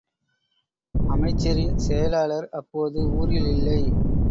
அமைச்சரின் செயலாளர் அப்போது ஊரில் இல்லை.